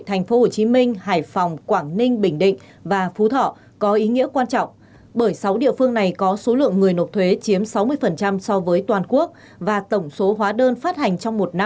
thành phố hồ chí minh bình định quảng ninh hải phòng và phú thọ